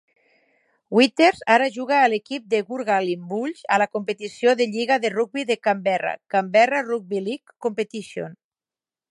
Withers ara juga a l'equip de Gungahlin Bulls a la competició de lliga de rugbi de Canberra (Canberra Rugby League Competition).